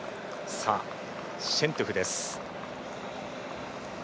シェントゥフです。